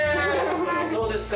どうですか？